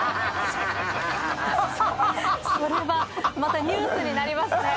それはまたニュースになりますね。